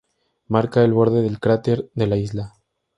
Marca el borde del cráter de la isla.